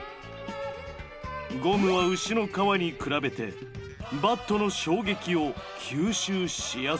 ゴムは牛の革に比べてバットの衝撃を吸収しやすい。